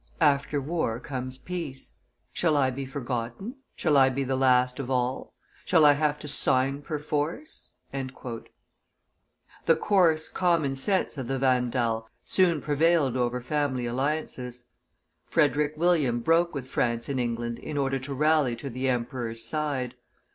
After war comes peace. Shall I be forgotten? Shall I be the last of all? Shall I have to sign perforce?" The coarse common sense of the Vandal soon prevailed over family alliances; Frederick William broke with France and England in order to rally to the emperor's side.